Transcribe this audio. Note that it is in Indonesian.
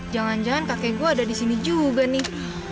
jangan jangan kakek gue ada di sini juga nih